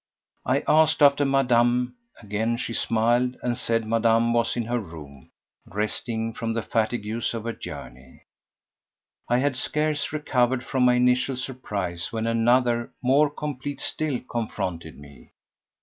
I asked after Madame. Again she smiled, and said Madame was in her room, resting from the fatigues of her journey. I had scarce recovered from my initial surprise when another—more complete still—confronted me.